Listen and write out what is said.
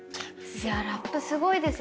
ラップすごいですよね。